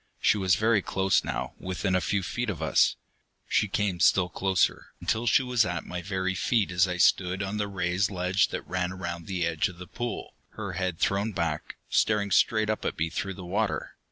She was very close now, within a few feet of us. She came still closer, until she was at my very feet as I stood on the raised ledge that ran around the edge of the pool, her head thrown back, staring straight up at me through the water.